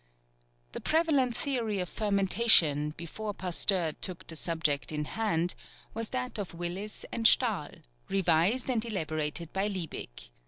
The prevalent theory of fermentation, before Pasteur took the subject in hand, was that of Willis and Stahl, revised and elaborated by Liebig.